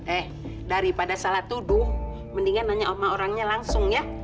eh daripada salah tuduh mendingan nanya sama orangnya langsung ya